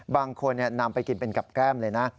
บางคนนำไปกินเป็นกับแก้มเลยนะ